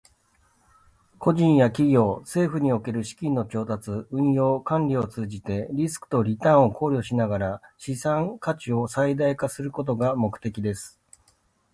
個人や企業、政府における資金の調達、運用、管理を通じて、リスクとリターンを考慮しながら資産価値を最大化することが目的です。